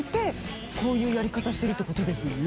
こういうやり方してるってことですもんね。